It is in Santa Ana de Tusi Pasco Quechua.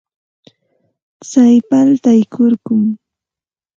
Tsay paltay kurkum.